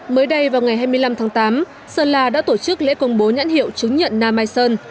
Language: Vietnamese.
mới đây vào ngày hai mươi năm tháng tám sơn la đã tổ chức lễ công bố nhãn hiệu chứng nhận na mai sơn